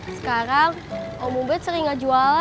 sekarang om ubed sering gak jualan